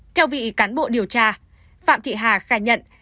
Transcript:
theo vị cán bộ điều tra phạm thị hà khai nhận